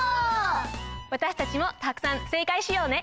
わたしたちもたくさん正かいしようね！